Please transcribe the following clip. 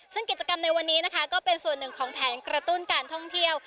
ซึ่งกิจกรรมในวันนี้นะคะก็เป็นส่วนหนึ่งของแผนกระตุ้นการท่องเที่ยว